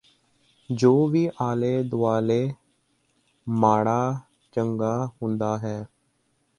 ਜੋਂ ਵੀ ਆਲੇ ਦੁਆਲੇ ਮਾੜਾਂ ਚੰਗ੍ਹਾਂ ਹੁੰਦਾ ਹੈ